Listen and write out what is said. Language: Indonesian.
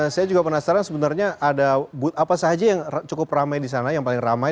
saya juga penasaran sebenarnya ada booth apa saja yang cukup ramai di sana yang paling ramai